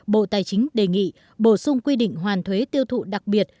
bộ tài chính đề nghị bổ sung quy định hoàn thuế tiêu thụ đặc biệt